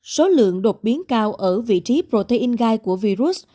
số lượng đột biến cao ở vị trí protein gai của virus